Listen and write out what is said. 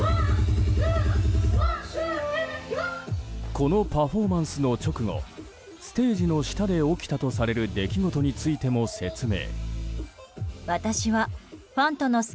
このパフォーマンスの直後ステージの下で起きたとされる出来事についても説明。